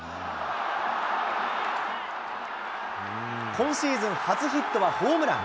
今シーズン初ヒットはホームラン。